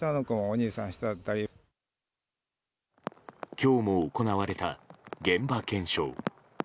今日も行われた現場検証。